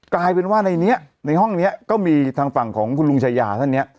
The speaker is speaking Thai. กลายเป็นว่าในนี้ในห้องนี้ก็มีทางฝั่งของคุณลุงชายาท่านเนี่ย